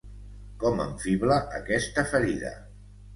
Com em fibla aquesta ferida!